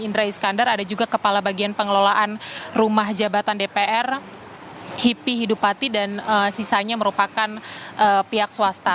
indra iskandar ada juga kepala bagian pengelolaan rumah jabatan dpr hipi hidup pati dan sisanya merupakan pihak swasta